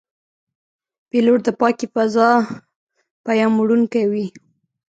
پیلوټ د پاکې فضا پیاموړونکی وي.